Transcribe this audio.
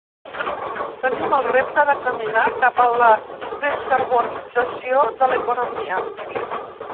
Tenim el repte de caminar cap a la descarbonització de l’economia.